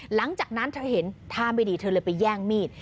หลังจากนั้นเธอเห็นท่าไม่ดีเธอเลยไปแย่งมีด